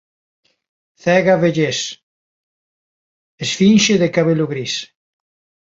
Cega vellez, esfinxe de cabelo gris....